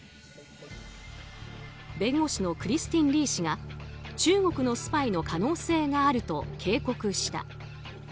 弁護士のクリスティン・リー氏が中国のスパイの可能性があると警告した。